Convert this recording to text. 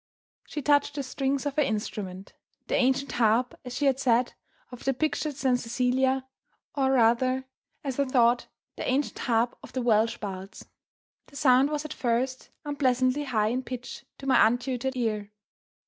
She touched the strings of her instrument the ancient harp, as she had said, of the pictured St. Cecilia; or, rather, as I thought, the ancient harp of the Welsh bards. The sound was at first unpleasantly high in pitch, to my untutored ear.